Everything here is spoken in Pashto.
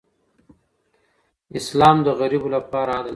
اسلام د غریبو لپاره عدل دی.